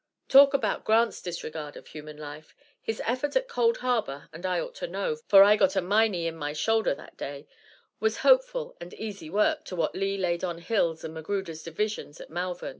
Talk about Grant's disregard of human life, his effort at Cold Harbor and I ought to know, for I got a Minie in my shoulder that day was hopeful and easy work to what Lee laid on Hill's and Magruder's divisions at Malvern.